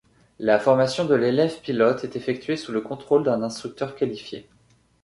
La formation de l'élève pilote est effectuée sous le contrôle d'un instructeur qualifié.